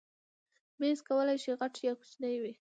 مېز کولی شي غټ یا کوچنی وي.